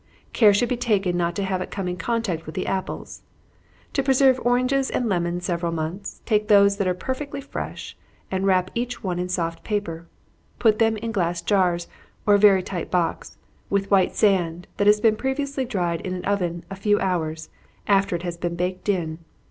Care should be taken not to have it come in contact with the apples. To preserve oranges and lemons several months, take those that are perfectly fresh, and wrap each one in soft paper; put them in glass jars, or a very tight box, with white sand, that has been previously dried in an oven a few hours, after it has been baked in.